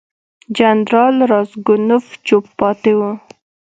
جنرال راسګونوف چوپ پاتې وو.